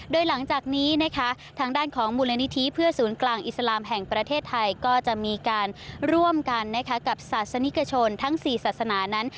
โดยหลังจากนี้นะคะทางด้านของมูลนิธิเพื่อศูนย์กลางอิสลามแห่งประเทศไทยก็จะมีการร่วมกันกับศาสนิกชนทั้ง๔ศาสนานั้น